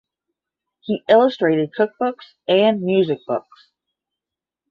He illustrated cookbooks and music books.